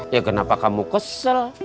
ya kenapa kamu kesel